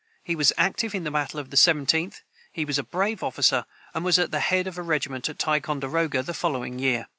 He was active in the battle of the 17th. He was a brave officer, and was at the head of a regiment at Ticonderoga the following year.